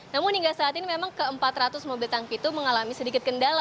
namun hingga saat ini memang ke empat ratus mobil tangki itu mengalami sedikit kendala